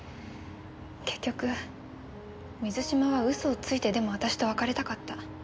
結局水嶋は嘘をついてでも私と別れたかった。